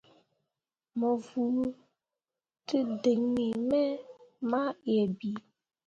Mo vuu tǝdiŋni me mah yie bii.